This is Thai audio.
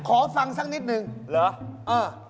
ขอฟังสักนิดนึงเหรอ